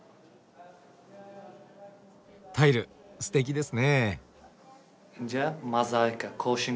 タイルすてきですね。